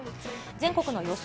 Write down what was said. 全国の予想